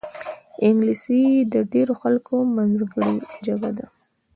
انګلیسي د ډېرو خلکو منځګړې ژبه ده